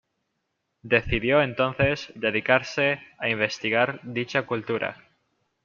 Decidió entonces dedicarse a investigar dicha cultura.